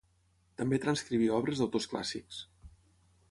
També transcriví obres d'autors clàssics.